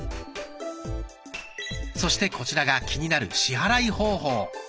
そしてこちらが気になる支払い方法。